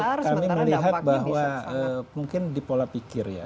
jadi kalau kami melihat bahwa mungkin di pola pikir ya